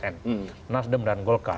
nasdem dan golkar